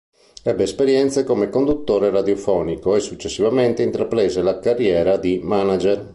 Ebbe esperienze come conduttore radiofonico e successivamente intraprese anche la carriera di manager.